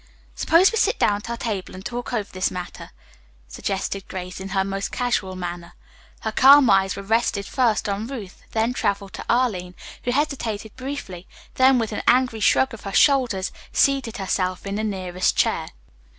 "Suppose we sit down at our table and talk over this matter," suggested Grace, in her most casual manner. Her calm gray eyes rested first on Ruth, then traveled to Arline, who hesitated briefly, then with an angry shrug of her shoulders seated herself in the nearest chair.